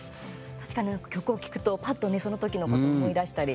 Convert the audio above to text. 確かに曲を聴くとぱっとね、その時のことを思い出したり。